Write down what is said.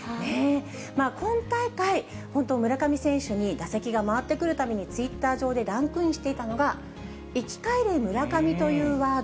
今大会、本当、村上選手に打席が回ってくるたびに、ツイッター上でランクインしていたのが、生き返れ村上というワード。